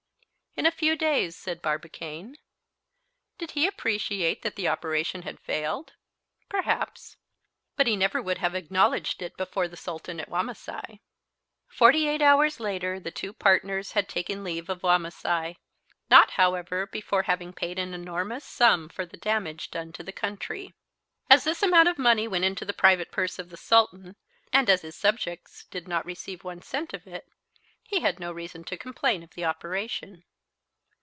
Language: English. "In a few days," said Barbicane. Did he appreciate that the operation had failed? Perhaps. But he never would have acknowledged it before the Sultan at Wamasai. Forty eight hours later the two partners had taken leave of Wamasai, not, however, before having paid an enormous sum for the damage done to the country. As this amount of money went into the private purse of the Sultan, and as his subjects did not receive one cent of it, he had no reason to complain of the operation.